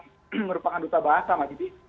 yang merupakan duta bahasa mbak giti